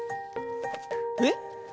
えっ！？